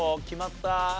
決まった？